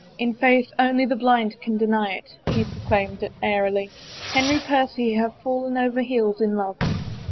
" In faith only the blind can deny it," he proclaimed airily. " Henry Percy hath fallen over heels in love."